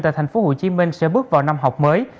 tại tp hcm sẽ bước vào năm học mới